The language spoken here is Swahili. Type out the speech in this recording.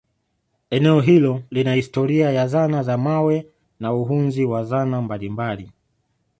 eneo hilo lina historia ya zana za mawe na uhunzi wa zana mbalimbali